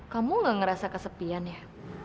kamu gak ngerasa kesepian ya